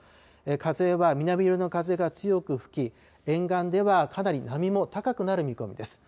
風は南寄りの風が強く吹き、沿岸ではかなり波も高くなる見込みです。